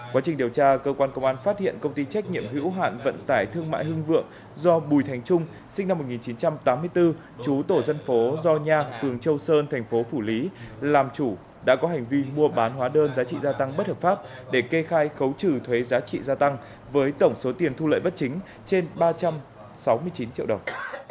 quá trình điều tra cơ quan công an phát hiện công ty trách nhiệm hữu hạn vận tải thương mại hưng vượng do bùi thành trung sinh năm một nghìn chín trăm tám mươi bốn chú tổ dân phố do nha phường châu sơn thành phố phủ lý làm chủ đã có hành vi mua bán hóa đơn giá trị gia tăng bất hợp pháp để kê khai khấu trừ thuế giá trị gia tăng với tổng số tiền thu lợi vất chính trên ba trăm sáu mươi chín triệu đồng